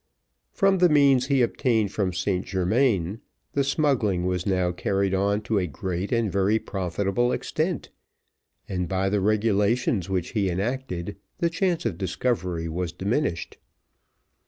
From the means he obtained from St Germains, the smuggling was now carried on to a great and very profitable extent, and by the regulations which he enacted, the chance of discovery was diminished.